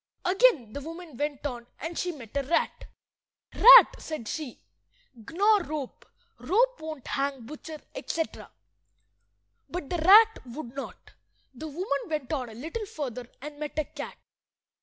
Again the woman went on, and she met a rat. "Rat," said she, "gnaw rope. Rope won't hang butcher," etc. But the rat would not. The woman went on a little further, and met a cat.